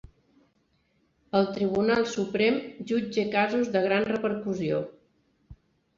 El Tribunal Suprem jutja casos de gran repercussió